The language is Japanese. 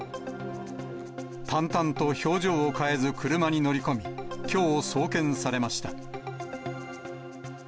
淡々と表情を変えず車に乗り込み、きょう送検されました。